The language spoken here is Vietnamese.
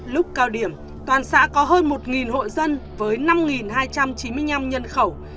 lúc cao điểm toàn xã có hơn một hộ dân với năm hai trăm chín mươi năm nhân khẩu